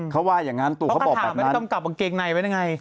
ก็ถามว่ากลับความเกงในไง